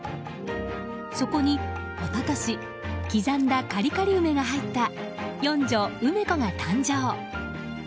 そこに一昨年刻んだカリカリ梅が入った四女・うめこが誕生。